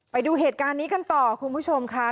ไปดูเหตุการณ์นี้กันต่อคุณผู้ชมค่ะ